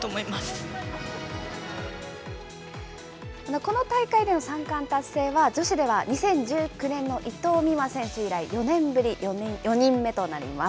この大会での３冠達成は、女子では２０１９年の伊藤美誠選手以来４年ぶり４人目となります。